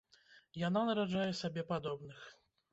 Яна нараджае сабе падобных.